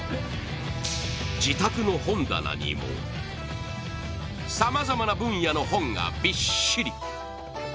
自宅の本棚にもさまざまな分野の本がびっしり。